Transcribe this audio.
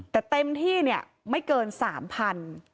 แต่เต็มที่ไม่เกินสามพัน